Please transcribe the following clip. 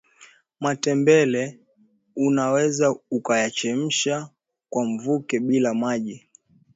matembele unaweza ukayachemsha kwa mvuke bila maji